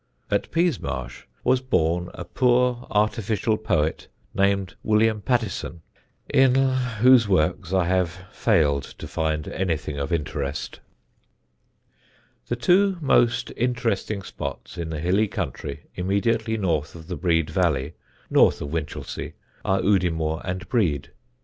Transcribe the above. At Peasmarsh was born a poor artificial poet named William Pattison, in whose works I have failed to find anything of interest. [Illustration: Udimore Church.] The two most interesting spots in the hilly country immediately north of the Brede valley (north of Winchelsea) are Udimore and Brede.